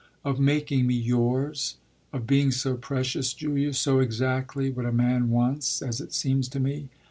"Of making me yours; of being so precious, Julia, so exactly what a man wants, as it seems to me.